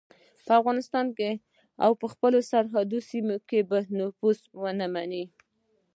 په افغانستان او خپلو سرحدي سیمو کې به نفوذ ونه مني.